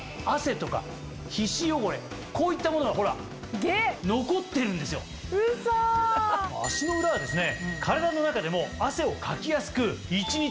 こういったものがほら残ってるんですよ。といわれているんですね。